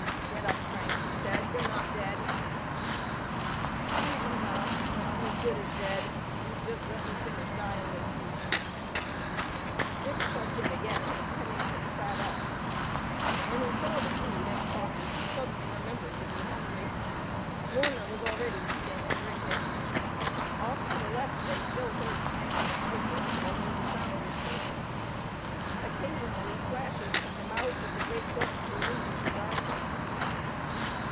"Get up, Frank," he said. "You're not dead." "No, I'm not, but I'm as good as dead. You just let me finish dying in peace." Dick shoved him again and Pennington sat up. When he saw the food and coffee he suddenly remembered to be hungry. Warner was already eating and drinking. Off to the left they still heard cannon and rifles, although the sound was sinking. Occasionally flashes from the mouths of the great guns illumined the darkness.